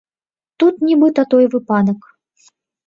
Тут нібыта той выпадак.